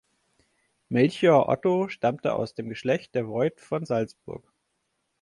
Melchior Otto stammte aus dem Geschlecht der Voit von Salzburg.